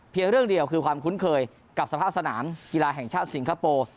เรื่องเดียวคือความคุ้นเคยกับสภาพสนามกีฬาแห่งชาติสิงคโปร์